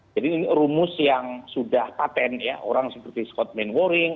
jadi ini rumus yang sudah patent ya orang seperti scott mainwaring